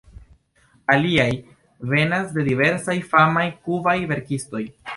Aliaj venas de diversaj famaj kubaj verkistoj.